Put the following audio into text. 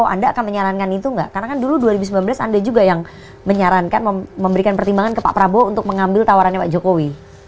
anda akan menyarankan itu enggak karena kan dulu dua ribu sembilan belas anda juga yang menyarankan memberikan pertimbangan ke pak prabowo untuk mengambil tawarannya pak jokowi